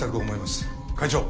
会長。